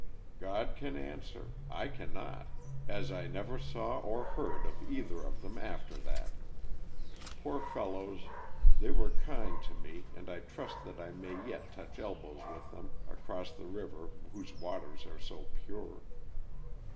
God can answer, I can not as I never saw or heard of either of them after that. Poor fellows, they were kind to me and I trust that I may yet touch elbows with them across the river whose waters are so pure.